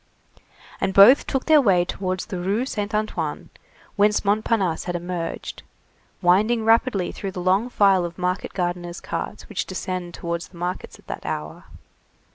And both took their way towards the Rue Saint Antoine, whence Montparnasse had emerged, winding rapidly through the long file of market gardeners' carts which descend towards the markets at that hour.